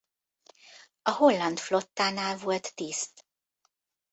A holland flottánál volt tiszt.